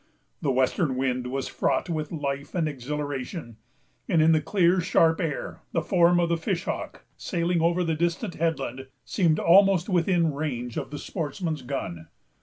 The western wind was fraught with life and exhilaration; and in the clear, sharp air, the form of the fish hawk, sailing over the distant headland, seemed almost within range of the sportsman's gun.